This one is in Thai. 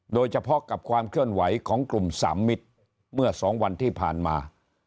โดยเฉพาะกับความเคลื่อนไหวของกลุ่มสามมิตรเมื่อ๒วันที่ผ่านมา